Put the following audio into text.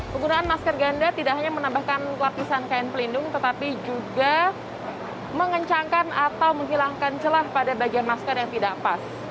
penggunaan masker ganda tidak hanya menambahkan lapisan kain pelindung tetapi juga mengencangkan atau menghilangkan celah pada bagian masker yang tidak pas